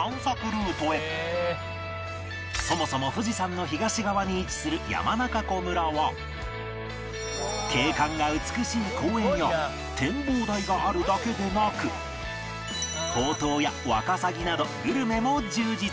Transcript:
そもそも富士山の東側に位置する山中湖村は景観が美しい公園や展望台があるだけでなくほうとうやワカサギなどグルメも充実